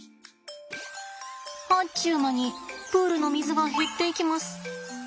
あっちゅう間にプールの水が減っていきます。